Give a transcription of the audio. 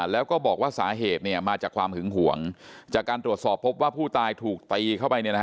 แล้วก็บอกว่าสาเหตุมาจากความหึงห่วงจากการตรวจสอบพบว่าผู้ตายถูกตีเข้าไป